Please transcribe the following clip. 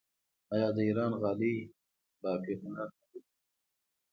آیا د ایران غالۍ بافي هنر نه دی؟